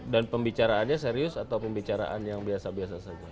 dan pembicaraannya serius atau pembicaraan yang biasa biasa saja